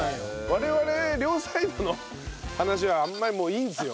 我々両サイドの話はあんまりもういいんですよ。